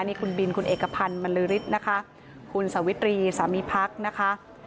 นี่คุณบินคุณเอกพันธ์บรรลือฤทธิ์นะคะคุณสวิตรีสามีพักนะคะ